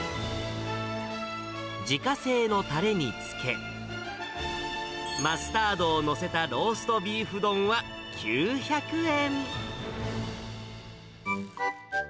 自家製のタレに漬け、マスタードを載せたローストビーフ丼は９００円。